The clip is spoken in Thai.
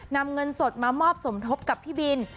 นำเงินสดมามอบสมทบกับพี่บิน